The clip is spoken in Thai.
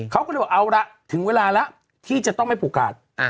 เขาก็เลยบอกเอาละถึงเวลาแล้วที่จะต้องไม่ผูกขาด